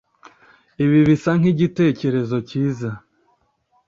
Ibi bisa nkigitekerezo cyiza